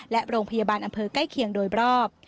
และโรงพยาบาลอำเภอใกล้เคียงโดยรอบ